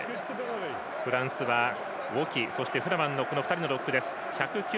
フランスはウォキそしてフラマンの２人のロックです。